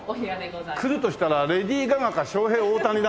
来るとしたらレディー・ガガかショウヘイ・オオタニだな。